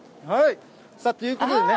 ということでね。